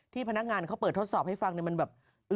พนักงานเขาเปิดทดสอบให้ฟังมันแบบ